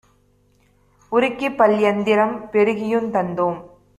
உருக்கிப்பல் யந்திரம் பெருக்கியுந் தந்தோம்.